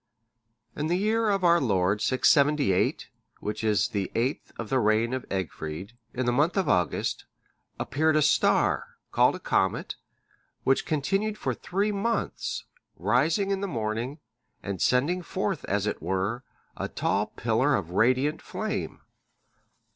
(598) In the year of our Lord 678, which is the eighth of the reign of Egfrid, in the month of August, appeared a star, called a comet, which continued for three months, rising in the morning, and sending forth, as it were, a tall pillar of radiant flame.